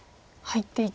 はい。